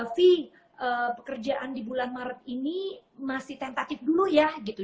fee pekerjaan di bulan maret ini masih tentatif dulu ya gitu